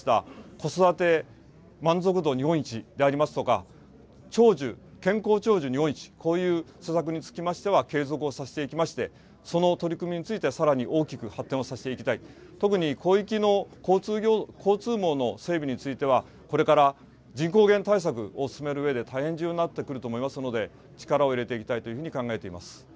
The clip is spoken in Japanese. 子育て満足度日本一でありますとか、長寿、健康長寿日本一、こういう施策につきましては継続をさせていきまして、その取り組みについてさらに大きく発展をさせていきたい、特に広域の交通網の整備については、これから人口減対策を進めるうえで大変重要になってくると思いますので、力を入れていきたいというふうに考えています。